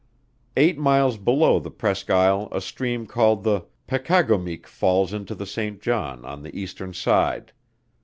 Eight miles below the Presqu Isle a stream called the Pekagomique falls into the Saint John on the eastern side.